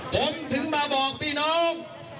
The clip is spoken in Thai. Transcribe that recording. ผมถึงมาบอกพี่น้อง